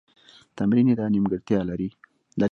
تمرین یې دا نیمګړتیا لیري کړه.